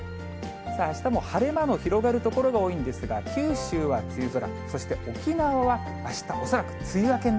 あしたも晴れ間の広がる所が多いんですが、九州は梅雨空、そして沖縄はあした、恐らく梅雨明けに